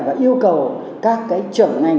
và yêu cầu các trưởng ngành